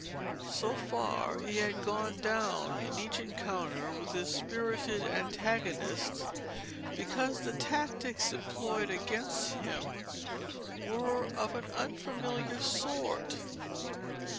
So far, he had gone down in each encounter with his spirited antagonist because the tactics employed against him were of an unfamiliar sort.